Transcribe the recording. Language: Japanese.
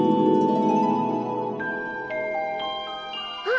あ！